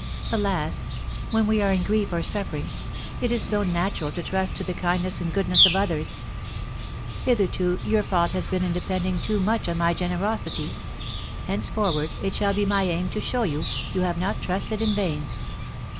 Alas, when we are in grief or suffering, it is so natural to trust to the kindness and goodness of others! Hitherto your fault has been in depending too much on my generosity; henceforward it shall be my aim to show you, you have not trusted in vain."